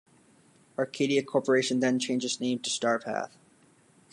Arcadia Corporation then changed its name to Starpath.